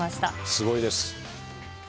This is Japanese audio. すごいです。